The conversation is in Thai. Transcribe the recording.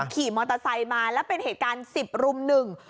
ขี่มอเตอร์ไซค์มาแล้วเป็นเหตุการณ์สิบรุมหนึ่ง